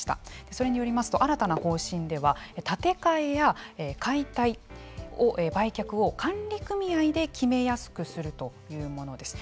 それによりますと新たな方針では建て替えや解体売却を管理組合で決めやすくするというものです。